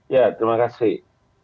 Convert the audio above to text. ya terima kasih